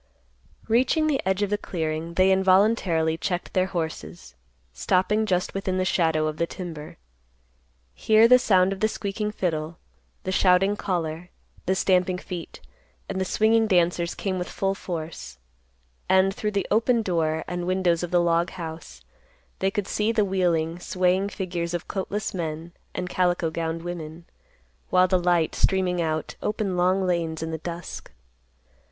Reaching the edge of the clearing, they involuntarily checked their horses, stopping just within the shadow of the timber. Here the sound of the squeaking fiddle, the shouting caller, the stamping feet, and the swinging dancers came with full force; and, through the open door and windows of the log house, they could see the wheeling, swaying figures of coatless men and calico gowned women, while the light, streaming out, opened long lanes in the dusk.